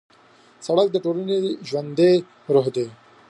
سړک د ټولنې ژوندی روح دی.